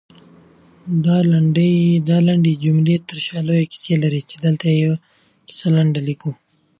دالنډې جملې ترشا لويې کيسې لري، چې دلته يې يوه کيسه لنډه ليکو